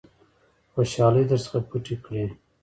خوشالۍ در څخه پټې کړي .